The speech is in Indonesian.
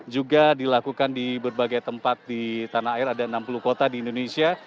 juga dilakukan di berbagai tempat di tanah air ada enam puluh kota di indonesia